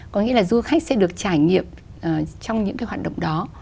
có nghĩa là du khách sẽ được trải nghiệm trong những cái hoạt động đó